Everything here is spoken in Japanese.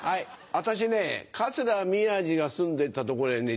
私ね桂宮治が住んでた所にね